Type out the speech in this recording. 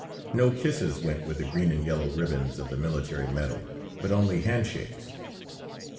No kisses went with the green and yellow ribbons of the military medal but only handshakes.